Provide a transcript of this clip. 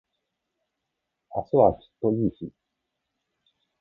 明日はきっといい日